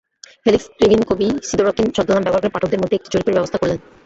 Felix ক্রিভিনকবি Sidorkin ছদ্মনাম ব্যবহার করে পাঠকদের মধ্যে একটি জরিপের ব্যবস্থা করলেন।